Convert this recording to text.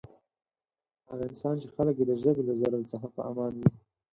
هغه انسان چی خلک یی د ژبی له ضرر څخه په امان وی.